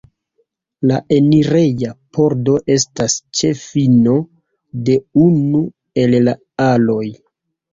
La enireja pordo estas ĉe fino de unu el la aloj.